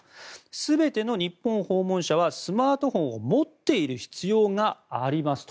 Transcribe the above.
全ての日本訪問者はスマートフォンを持っている必要がありますと。